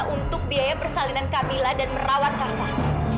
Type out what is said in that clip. untuk biaya persalinan kamila dan merawat kak farah